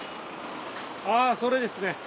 あぁそれですね。